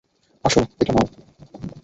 আসো, এটা নাও।